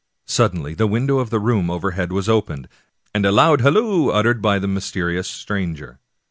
Suddenly the window of the room overhead was opened, and a loud halloo uttered by the mysterious stranger.